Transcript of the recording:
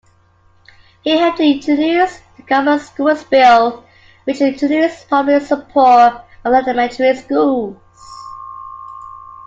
He helped introduce the Common Schools Bill, which introduced public support of elementary schools.